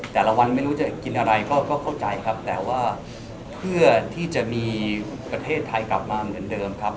แต่ละวันไม่รู้จะกินอะไรก็เข้าใจครับแต่ว่าเพื่อที่จะมีประเทศไทยกลับมาเหมือนเดิมครับ